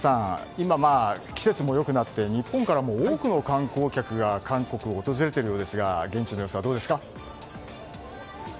今、季節も良くなって日本からも多くの観光客が韓国を訪れているようですが現地の様子はどうですか？